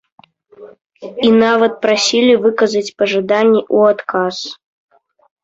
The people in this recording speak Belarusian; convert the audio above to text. І нават прасілі выказаць пажаданні ў адказ.